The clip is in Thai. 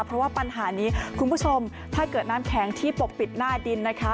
เพราะว่าปัญหานี้คุณผู้ชมถ้าเกิดน้ำแข็งที่ปกปิดหน้าดินนะคะ